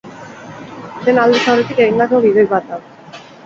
Dena aldez aurretik egindako gidoi bat da.